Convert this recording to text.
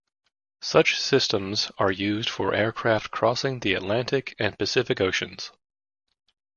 Such systems are used for aircraft crossing the Atlantic and Pacific oceans.